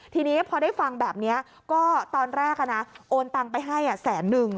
ทีนี้พอได้ฟังแบบนี้ก็ตอนแรกนะโอนตังไปให้๑๐๑๐๐๐บาท